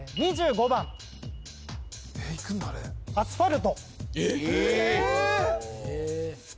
２５番アスファルト